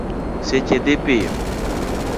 Seche dhi piyo